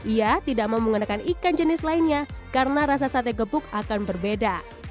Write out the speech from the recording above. ia tidak mau menggunakan ikan jenis lainnya karena rasa sate gebuk akan berbeda